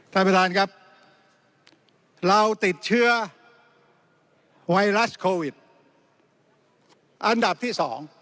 ท่านประธานครับเราติดเชื้อไวรัสโควิดอันดับที่๒